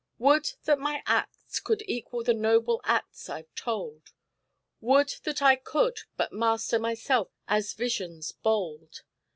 "Would that my acts could equal the noble acts I've told. Would that I could but master myself as visions bold!"